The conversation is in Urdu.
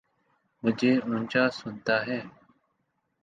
مجھے اونچا سنتا ہے